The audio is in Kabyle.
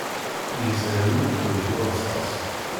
Yeshel uldun i uḍsas.